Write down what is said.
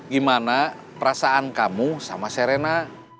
gimana perasaan kamu sama serena